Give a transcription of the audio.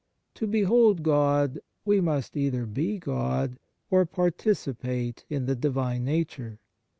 To behold God, we must either be God or participate in the Divine Nature.